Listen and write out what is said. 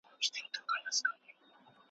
اوس د هغه مولوي ژبه ګونګۍ ده `